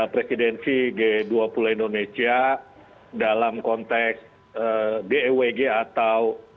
presidensi g dua puluh indonesia dalam konteks dewg atau